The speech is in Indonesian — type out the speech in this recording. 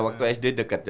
waktu sd dekat